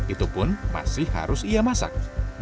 itu pun masih harus ia masak